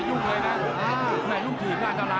ลูกทีบอาจารย์นะพี่ปั้กโอ้โห